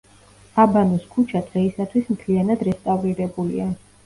აბანოს ქუჩა დღეისათვის მთლიანად რესტავრირებულია.